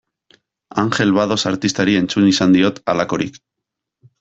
Angel Bados artistari entzun izan diot halakorik.